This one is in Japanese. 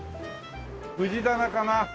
藤棚かな？